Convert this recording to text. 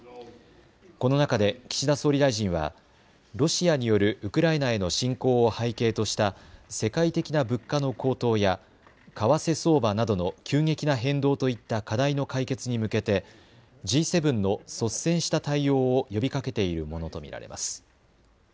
この中で岸田総理大臣はロシアによるウクライナへの侵攻を背景とした世界的な物価の高騰や為替相場などの急激な変動といった課題の解決に向けてＧ７の率先した対応を呼びかけているものと見られます。